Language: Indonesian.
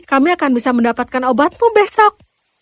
kami akan bisa mendapatkan obatmu besok